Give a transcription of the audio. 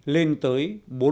lên tới bốn mươi